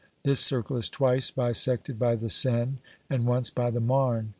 This circle is twice bisected by the Seine, and once by the Marne.